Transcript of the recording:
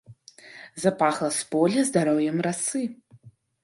Запахла з поля здароўем расы.